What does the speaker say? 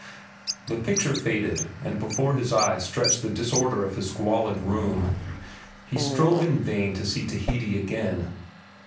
The picture faded, and before his eyes stretched the disorder of his squalid room. He strove in vain to see Tahiti again.